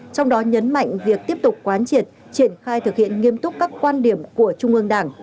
trong đó nhấn mạnh việc tiếp tục quán triệt triển khai thực hiện nghiêm túc các quan điểm của trung ương đảng